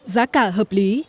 giá cả hợp lý